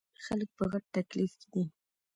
خلک په غټ تکليف کښې دے ـ